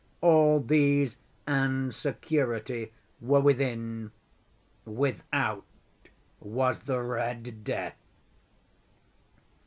All these and security were within. Without was the "Red Death."